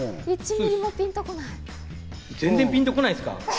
１ミリもピンとこない。